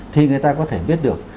thì người ta có thể biết được